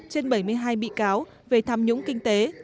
trên bảy mươi hai bị cáo về tham nhũng kinh tế